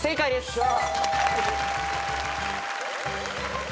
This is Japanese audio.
よし！